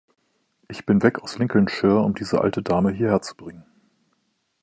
Ich bin weg aus Lincolnshire, um diese alte Dame hierherzubringen.